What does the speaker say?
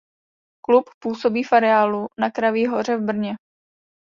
Klub působí v areálu na Kraví hoře v Brně.